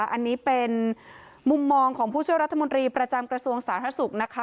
อันนี้เป็นมุมมองของผู้ช่วยรัฐมนตรีประจำกระทรวงสาธารณสุขนะคะ